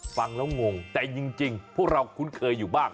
ฟังแล้วงงแต่จริงพวกเราคุ้นเคยอยู่บ้าง